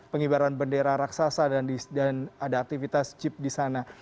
pengibaran bendera raksasa dan ada aktivitas jeep disana